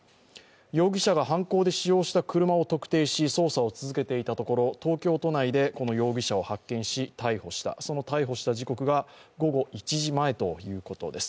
容疑者が犯行で使用した車を特定し、捜査を続けていたところ、東京都内でこの容疑者を発見し、逮捕した、その逮捕した時刻が午後１時前ということです。